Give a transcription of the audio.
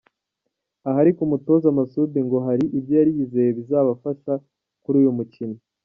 Aha ariko, umutoza Masudi ngo hari ibyo yizeye bizabafasha kuri uyu mukino.